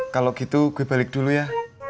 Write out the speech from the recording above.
kalau gitu gue balik dulu ya